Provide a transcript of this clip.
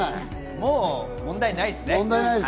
もう問題ないですね。